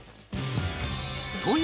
という